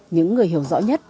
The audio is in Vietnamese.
những người hiểu rõ nhất